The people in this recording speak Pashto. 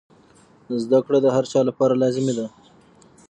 زده کړه د هر چا لپاره لازمي ده.